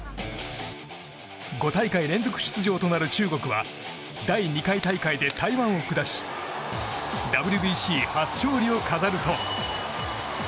５大会連続出場となる中国は第２回大会で台湾を下しＷＢＣ初勝利を飾ると。